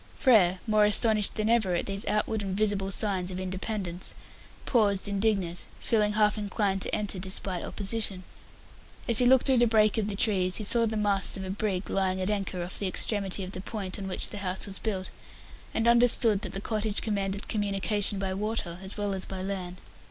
Frere, more astonished than ever at these outward and visible signs of independence, paused, indignant, feeling half inclined to enter despite opposition. As he looked through the break of the trees, he saw the masts of a brig lying at anchor off the extremity of the point on which the house was built, and understood that the cottage commanded communication by water as well as by land.